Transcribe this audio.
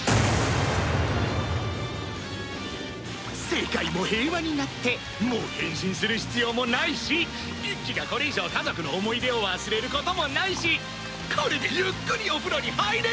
世界も平和になってもう変身する必要もないし一輝がこれ以上家族の思い出を忘れることもないしこれでゆっくりお風呂に入れるぜ！